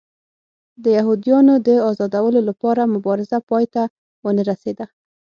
د یهودیانو د ازادولو لپاره مبارزه پای ته ونه رسېده.